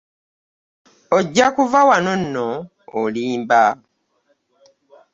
Ojja kuva wano nno olimba.